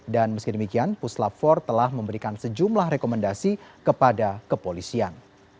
dan meskidemikian puslap empat telah memberikan sejumlah rekomendasi kepada kepolisian